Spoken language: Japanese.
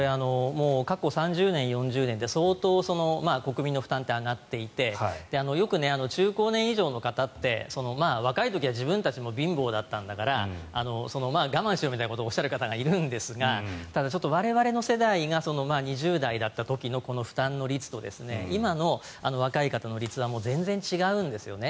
過去３０年、４０年で相当、国民の負担って上がっていてよく、中高年以上の方って若い時は自分たちも貧乏だったんだから我慢しろみたいなことをおっしゃる方がいるんですがただ、我々の世代が２０代だった時のこの負担の率と今の若い方の率はもう全然違うんですよね。